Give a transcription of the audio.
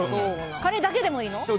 カレーだけでもいいの？